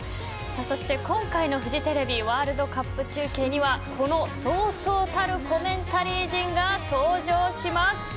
そして今回のフジテレビワールドカップ中継にはこの、そうそうたるコメンタリー陣が登場します。